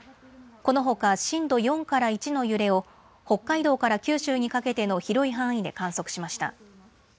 このほか震度４から１の揺れを北海道から九州にかけての広い範囲で観測しました。